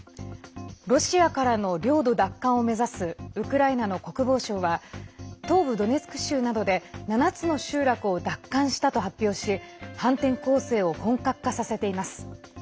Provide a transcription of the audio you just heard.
ロシアからの領土奪還を目指すウクライナの国防省は東部ドネツク州などで７つの集落を奪還したと発表し反転攻勢を本格化させています。